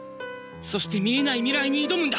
そして見えない未来に挑むんだ！